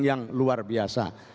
yang luar biasa